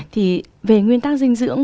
thì về nguyên tắc dinh dưỡng